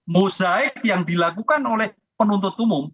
mosaik yang dilakukan oleh penuntut umum